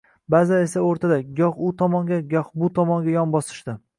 Ba’zilar esa o‘rtada – goh u tomonga, goh bu tomonga yon bosishdi